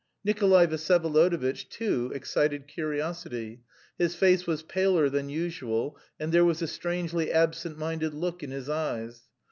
Nikolay Vsyevolodovitch too excited curiosity; his face was paler than usual and there was a strangely absent minded look in his eyes.